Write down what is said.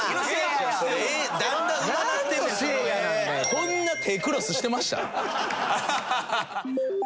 こんな手クロスしてました？